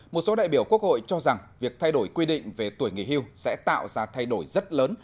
một số đại biểu quốc hội cho rằng việc thay đổi quy định về tuổi nghỉ hưu sẽ tạo ra thay đổi rất lớn